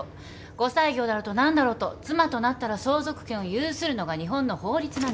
後妻業だろうと何だろうと妻となったら相続権を有するのが日本の法律なんです。